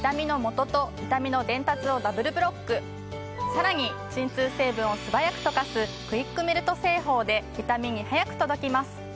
さらに鎮痛成分を素早く溶かすクイックメルト製法で痛みに速く届きます。